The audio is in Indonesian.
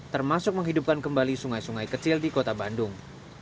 termasuk menghidupkan kembali sungai sungai kecil di kota bandung